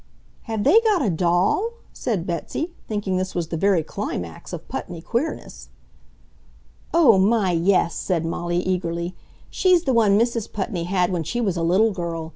"Have they got a DOLL?" said Betsy, thinking this was the very climax of Putney queerness. "Oh my, yes!" said Molly, eagerly. "She's the one Mrs. Putney had when she was a little girl.